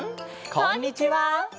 こんにちは！